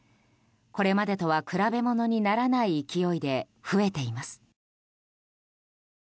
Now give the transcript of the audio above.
これまでとは比べ物にならない勢いで増えています。